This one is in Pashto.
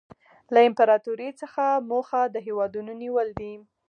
له امپراطورۍ څخه موخه د هېوادونو نیول دي